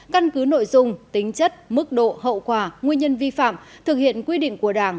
căn cứ nội dung tính chất mức độ hậu quả nguyên nhân vi phạm thực hiện quy định của đảng